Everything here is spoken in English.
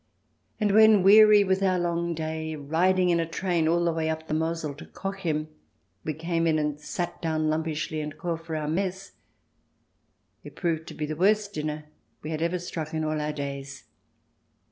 And when, weary with our long day, riding in a train all the way up the Mosel to Cochem, we came in and sat down lumpishly, and called for our mess, it proved the worst dinner we had ever struck in all our days.